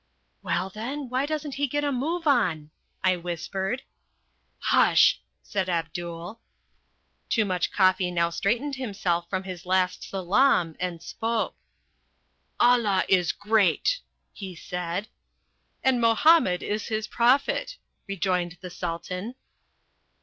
"Well, then, why doesn't he get a move on?" I whispered. "Hush," said Abdul. Toomuch Koffi now straightened himself from his last salaam and spoke. "Allah is great!" he said. "And Mohammed is his prophet," rejoined the Sultan.